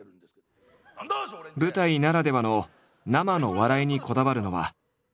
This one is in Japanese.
舞台ならではの生の笑いにこだわるのは飯塚も同じだ。